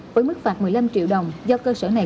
với mức phạt một mươi năm triệu đồng do cơ sở này